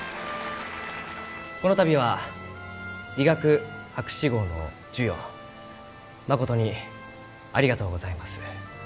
この度は理学博士号の授与まことにありがとうございます。